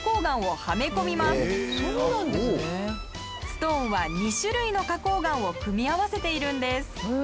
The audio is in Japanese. ストーンは２種類の花崗岩を組み合わせているんです。